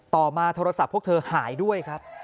ต่อมาโทรศัพท์พวกเธอหายด้วยครับ